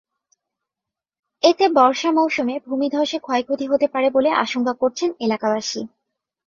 এতে বর্ষা মৌসুমে ভূমিধসে ক্ষয়ক্ষতি হতে পারে বলে আশঙ্কা করছেন এলাকাবাসী।